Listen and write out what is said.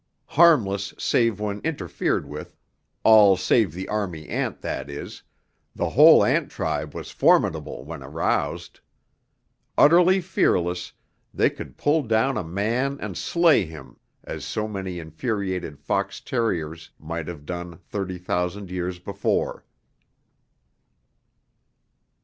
Harmless save when interfered with all save the army ant, that is the whole ant tribe was formidable when aroused. Utterly fearless, they could pull down a man and slay him as so many infuriated fox terriers might have done thirty thousand years before.